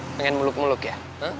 pengen meluk meluk ya